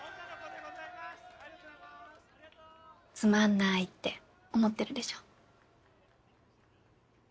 つまんないって思ってるでしょ。